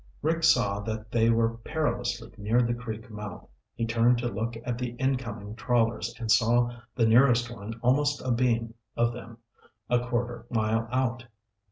Rick saw that they were perilously near the creek mouth. He turned to look at the incoming trawlers and saw the nearest one almost abeam of them a quarter mile out.